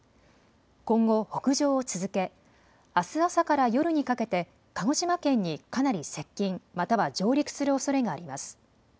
今後、北上を続けあす朝から夜にかけて鹿児島県にかなり接近、または上陸するおそれがあります。